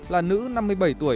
là nữ năm mươi bảy tuổi